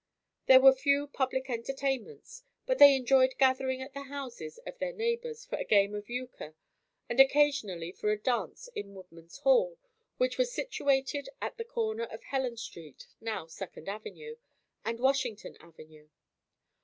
There were few public entertainments, but they enjoyed gathering at the houses of their neighbors for a game of euchre and occasionally for a dance in Woodmans' Hall which was situated on the corner of Helen Street, now Second Avenue, and Washington Avenue.